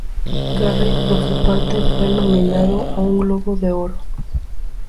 Carrey, por su parte, fue nominado a un Globo de Oro.